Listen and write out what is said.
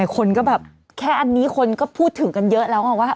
คนก็แบบแค่อันนี้คนก็พูดถึงกันเยอะแล้วไงว่า